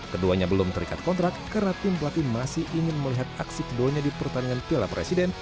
keduanya belum terikat kontrak karena tim pelatih masih ingin melihat aksi keduanya di pertandingan piala presiden